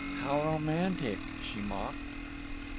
"How romantic!" she mocked.